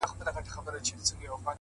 د هغه ږغ زما د ساه خاوند دی”